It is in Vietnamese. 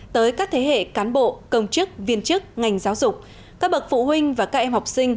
tới các thế hệ cán bộ công chức viên chức ngành giáo dục các bậc phụ huynh và các em học sinh